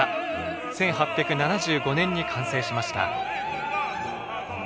１８７５年に完成しました。